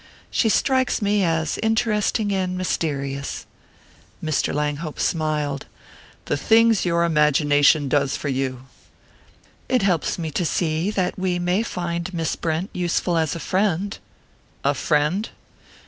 She strikes me as interesting and mysterious." Mr. Langhope smiled. "The things your imagination does for you!" "It helps me to see that we may find Miss Brent useful as a friend." "A friend?"